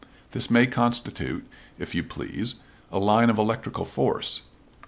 This may constitute, if you please, a line of electrical force.